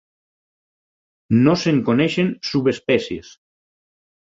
No se'n coneixen subespècies.